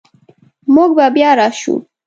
موږ به بیا راشو